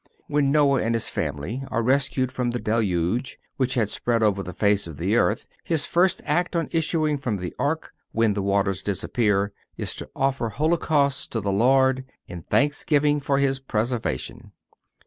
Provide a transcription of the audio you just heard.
(388) When Noe and his family are rescued from the deluge which had spread over the face of the earth his first act on issuing from the ark, when the waters disappear, is to offer holocausts to the Lord, in thanksgiving for his preservation.